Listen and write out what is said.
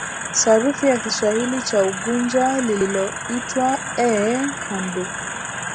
Sarufi ya Kiswahili cha Unguja lililoitwa A hand Book